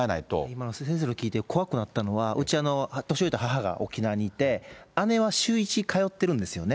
今の先生の聞いて、怖くなったのは、うちは年老いた母が沖縄にいて、姉は週１、通ってるんですよね。